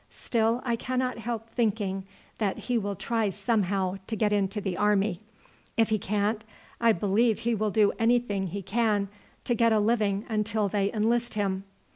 Still I cannot help thinking that he will try some how to get into the army. If he can't, I believe he will do anything he can to get a living until they enlist him."